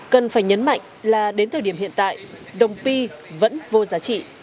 cần phải nhấn mạnh là đến thời điểm hiện tại đồng p vẫn vô giá trị